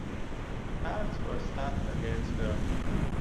The cards were stacked against her.